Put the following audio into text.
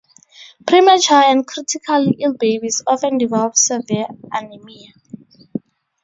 Premature and critically ill babies often develop severe anemia.